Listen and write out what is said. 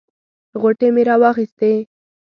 غوټې مې راواخیستې.